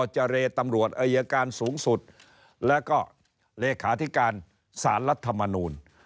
เจรตำรวจอายการสูงสุดแล้วก็เลขาธิการสารรัฐมนูล